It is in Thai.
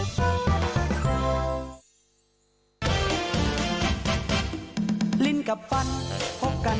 สวัสดีค่ะต่างทุกคน